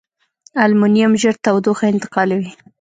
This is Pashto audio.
المونیم ژر تودوخه انتقالوي.